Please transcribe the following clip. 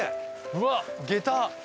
うわっ下駄！